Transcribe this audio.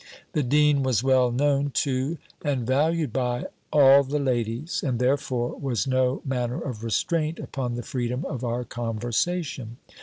The dean was well known to, and valued by, all the ladies; and therefore was no manner of restraint upon the freedom of our conversation.